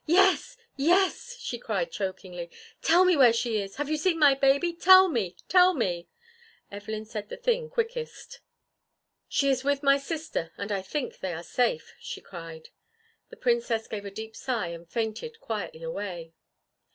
"Yes! Yes!" she cried, chokingly. "Tell me where is she? Have you seen my baby? Tell me! Tell me!" Evelyn said the thing quickest. "She is with my sister, and I think they are safe," she cried. The Princess gave a deep sigh and fainted quietly away.